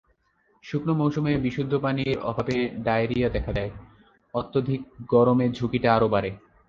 শুকনো মৌসুমে বিশুদ্ধ পানির অভাবে ডায়রিয়া দেখা দেয়, অত্যধিক গরমে ঝুঁকিটা আরও বাড়ে।